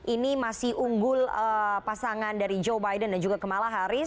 ini masih unggul pasangan dari joe biden dan juga kamala harris